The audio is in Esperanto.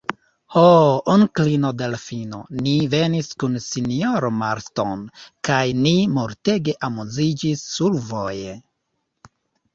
Ho, onklino Delfino, ni venis kun sinjoro Marston kaj ni multege amuziĝis survoje!